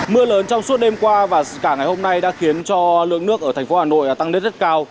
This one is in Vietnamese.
mưa lớn trong suốt đêm qua và cả ngày hôm nay đã khiến cho lượng nước ở thành phố hà nội tăng đất rất cao